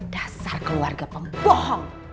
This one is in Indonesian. dasar keluarga pembohong